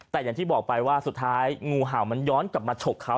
แต่อย่างที่บอกไปว่าสุดท้ายงูเห่ามันย้อนกลับมาฉกเขา